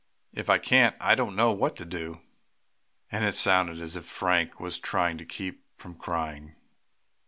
If I can't I don't know what to do," and it sounded as if Frank was trying to keep from crying.